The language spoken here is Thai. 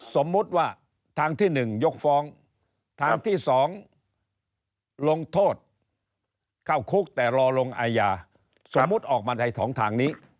สมมุติว่าทางที่๑ยกฟ้องทางที่๒ลงโทษเข้าคุกแต่รอลงอาญาสมมุติออกมาในสองทางนี้